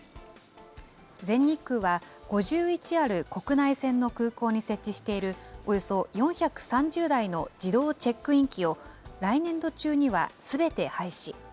全日空は５１ある国内線の空港に設置している、およそ４３０台の自動チェックイン機を来年度中にはすべて廃止。